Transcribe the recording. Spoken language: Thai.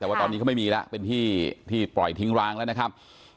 แต่ว่าตอนนี้เขาไม่มีแล้วเป็นที่ที่ปล่อยทิ้งร้างแล้วนะครับ